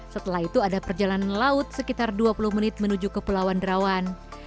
setelah itu ada perjalanan laut sekitar dua puluh menit menuju ke pulauan derawan